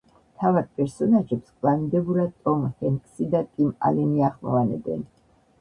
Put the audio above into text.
მთავარ პერსონაჟებს კვლავინდებურად ტომ ჰენქსი და ტიმ ალენი ახმოვანებენ.